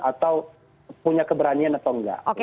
atau punya keberanian atau enggak